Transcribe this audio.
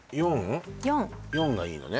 ４がいいのね